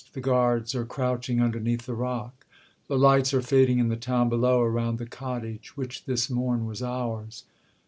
The guards are crouching underneath the rock; The lights are fading in the town below, Around the cottage which this morn was ours.